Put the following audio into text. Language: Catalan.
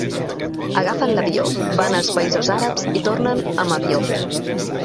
Agafen l’avió, van als països àrabs i tornen amb avió.